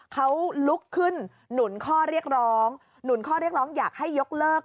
เขาลุกขึ้นหนุนข้อเรียกร้องหนุนข้อเรียกร้องอยากให้ยกเลิก